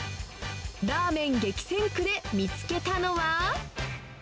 ラーメン激戦区で見つけたのは。